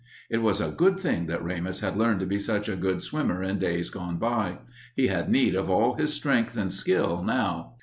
It was a good thing that Remus had learned to be such a good swimmer in days gone by; he had need of all his strength and skill now.